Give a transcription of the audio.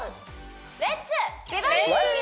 「レッツ！」